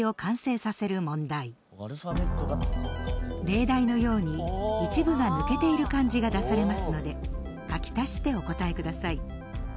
例題のように一部が抜けている漢字が出されますので書き足してお答えください。